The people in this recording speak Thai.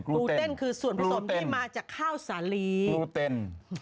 ปูเต้นคือส่วนผสมที่มาจากข้าวสาลีปูเต้น